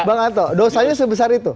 bang anto dosanya sebesar itu